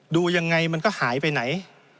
ดูยังไงมันก็หายไปไหน